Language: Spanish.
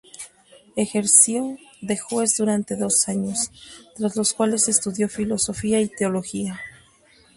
Ejerció de juez durante dos años, tras los cuales estudió Filosofía y Teología.